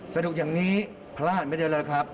สนุกอย่างนี้พลาดไม่ได้เลยครับ